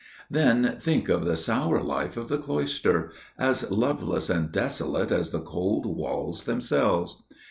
Then think of the sour life of the cloister––as loveless and desolate as the cold walls themselves!